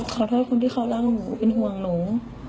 ขอโทษคนที่เขารักหนูเป็นห่วงหนู